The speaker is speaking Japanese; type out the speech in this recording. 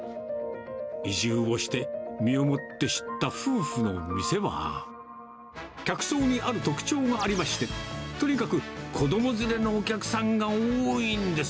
移住をして身をもって知った夫婦の店は、客層にある特徴がありまして、とにかく、子ども連れのお客さんが多いんです。